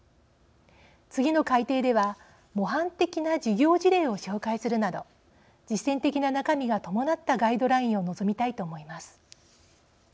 次の改訂では模範的な授業事例を紹介するなど実践的な中身が伴ったガイドラインを望みたいと思います。